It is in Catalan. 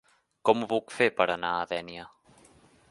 Com ho puc fer per anar a Dénia?